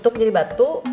tutup jadi batu